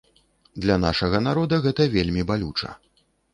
Для нашага народа гэта вельмі балюча.